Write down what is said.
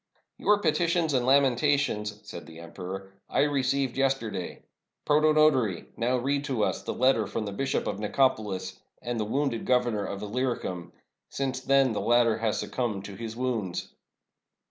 " Your petitions and lamentations," said the emperor, " I received yesterday. Protonotary, now read to us the letter from the Bishop of NicopoUs and the wounded Governor of lUyricum — since then the latter has suc cumbed to his wounds."